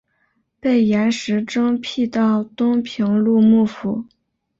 被严实征辟到东平路幕府。